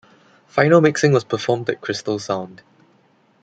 Final mixing was performed at Crystal Sound.